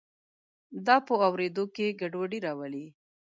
دا په اوریدو کې ګډوډي راولي.